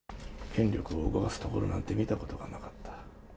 権力を動かすところなんて見たことがなかった。